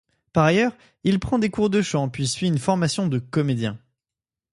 Par ailleurs, il prend des cours de chant puis suit une formation de comédien.